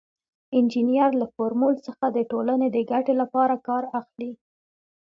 انجینر له فورمول څخه د ټولنې د ګټې لپاره کار اخلي.